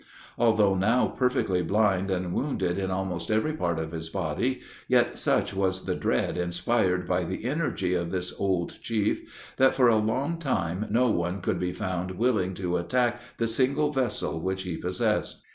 Although now perfectly blind and wounded in almost every part of his body, yet such was the dread inspired by the energy of this old chief, that, for a long time, no one could be found willing to attack the single vessel which he possessed.